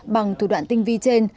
bằng thủ đoạn tinh vi trên